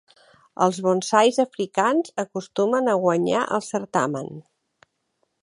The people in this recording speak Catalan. Els bonsais africans acostumen a guanyar el certamen.